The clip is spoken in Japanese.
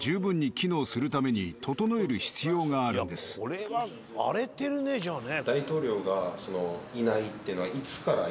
これは荒れてるねじゃあね。